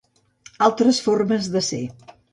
Altres formes de ser.